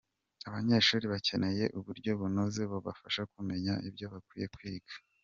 Abanyeshuri bakeneye uburyo bunoze bubafasha kumenya ibyo bakwiye kwiga.